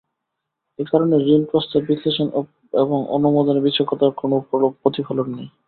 এ কারণে ঋণ প্রস্তাব বিশ্লেষণ এবং অনুমোদনে বিচক্ষণতার কোনো প্রতিফলন নেই।